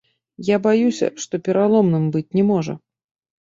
Я баюся, што пераломным быць не можа.